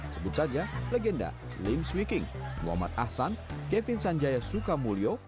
sebut saja legenda lim swiking muhammad ahsan kevin sanjaya sukamulyo